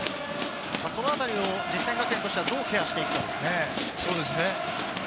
そのあたり実践学園としてはどういう風にしていくかですね。